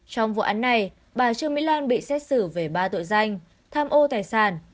trong vụ án này bà trương mỹ lan bị xét xử về ba tội danh tham ô tài sản